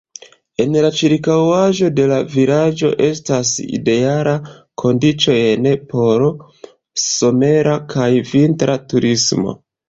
En la ĉirkaŭaĵo de la vilaĝo estas idealaj kondiĉojn por somera kaj vintra turismo.